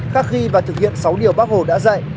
khắc ghi và thực hiện sáu điều bác hồ đã dạy